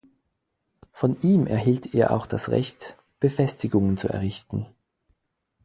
Von ihm erhielt er auch das Recht, Befestigungen zu errichten.